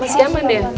masih aman deh